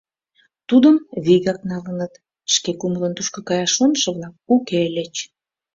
Тудым вигак налыныт: шке кумылын тушко каяш шонышо-влак уке ыльыч.